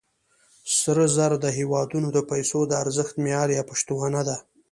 سره زر د هېوادونو د پیسو د ارزښت معیار یا پشتوانه ده.